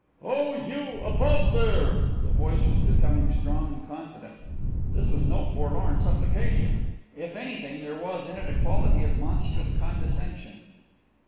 "Oh, you above there!" The voice was become strong and confident. This was no forlorn supplication. If anything, there was in it a quality of monstrous condescension.